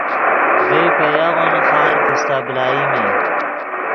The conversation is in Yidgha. ڤئے پے یاغو نیخار کیستہ بلائیم ای